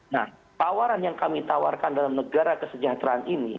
nah tawaran yang kami tawarkan dalam negara kesejahteraan ini